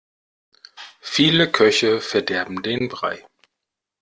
Viele Köche verderben den Brei.